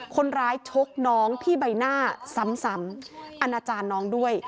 ชกน้องที่ใบหน้าซ้ำอาณาจารย์น้องด้วย